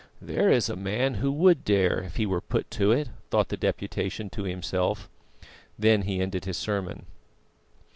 "There is a man who would dare, if he were put to it," thought the Deputation to himself. Then he ended his sermon.